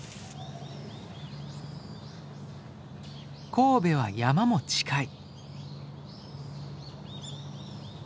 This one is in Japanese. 神戸は山も近い。